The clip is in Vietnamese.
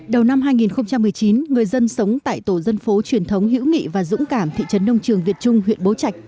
đầu năm hai nghìn một mươi chín người dân sống tại tổ dân phố truyền thống hữu nghị và dũng cảm thị trấn nông trường việt trung huyện bố trạch